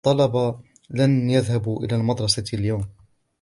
الطلبة لن يذهبوا إلى المدرسة اليوم.